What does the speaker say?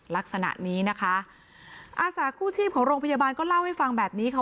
ลักษณะนี้นะคะอาสากู้ชีพของโรงพยาบาลก็เล่าให้ฟังแบบนี้ค่ะ